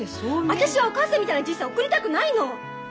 私はお母さんみたいな人生送りたくないの。